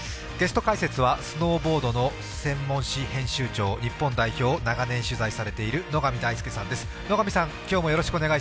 ゲスト解説はスノーボードの専門誌編集長日本代表を長年取材されている野上大介さんです。